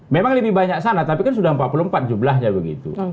memang lebih banyak sana tapi kan sudah empat puluh empat jumlahnya begitu